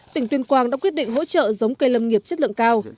tỉnh tuyên quang đã quyết định hỗ trợ giống cây lâm nghiệp chất lượng cao